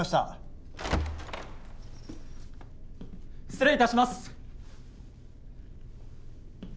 失礼いたします。